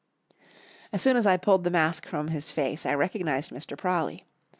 As soon as I pulled the mask from his face I recognized Mr. Prawley.